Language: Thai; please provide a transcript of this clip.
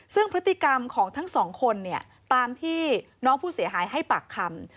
ซึ่งพฤติกรรมของทั้งสองคนเนี่ยตามที่น้องผู้เสียหายให้ปากคำ